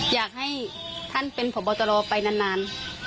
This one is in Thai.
อยากให้ท่านเป็นพบตรไปนาน